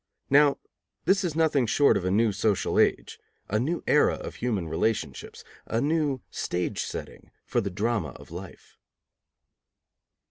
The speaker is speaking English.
Now this is nothing short of a new social age, a new era of human relationships, a new stage setting for the drama of life.